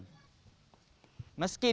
meski diberikan penyelenggaraan